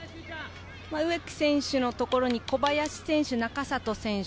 植木選手の所に小林選手、中里選手。